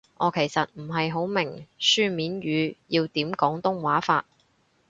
我其實唔係好明書面語要點廣東話法